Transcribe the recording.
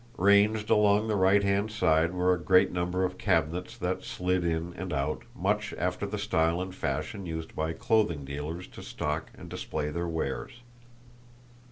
Ranged along the right hand side were a great number of cabinets that slid in and out, much after the style and fashion used by clothing dealers to stock and display their wares.